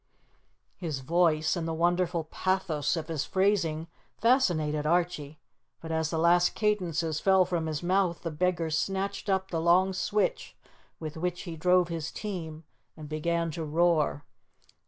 His voice, and the wonderful pathos of his phrasing, fascinated Archie, but as the last cadences fell from his mouth, the beggar snatched up the long switch with which he drove his team and began to roar.